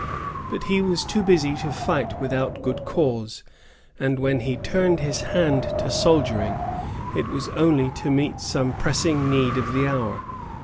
But he was too busy to fight without good cause ; and when he turned his hand to soldiering, it was only to meet some pressing need of the hour.